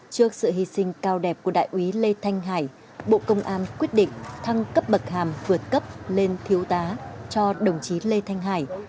trước sự hy sinh cao đẹp của đại úy lê thanh hải bộ công an quyết định thăng cấp bậc hàm vượt cấp lên thiếu tá cho đồng chí lê thanh hải